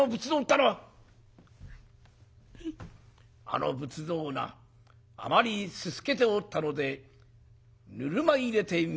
「あの仏像なあまりにすすけておったのでぬるま湯に入れて磨いておったらな」。